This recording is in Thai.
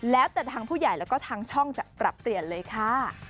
แล้วแต่ทางผู้ใหญ่แล้วก็ทางช่องจะปรับเปลี่ยนเลยค่ะ